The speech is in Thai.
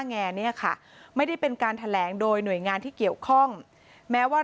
แงเนี่ยค่ะไม่ได้เป็นการแถลงโดยหน่วยงานที่เกี่ยวข้องแม้ว่า